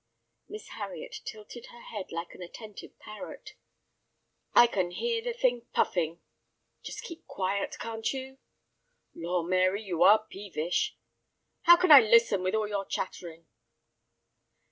Miss Harriet tilted her head like an attentive parrot. "I can hear the thing puffing." "Just keep quiet—can't you?" "Lor, Mary, you are peevish!" "How can I listen with all your chattering?"